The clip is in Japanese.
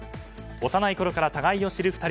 幼いころから互いを知る２人。